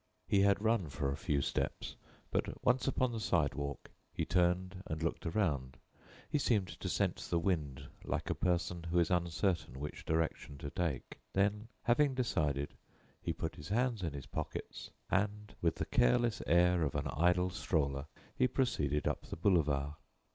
He had run for a few steps; but, once upon the sidewalk, he turned and looked around; he seemed to scent the wind like a person who is uncertain which direction to take. Then, having decided, he put his hands in his pockets, and, with the careless air of an idle stroller, he proceeded up the boulevard.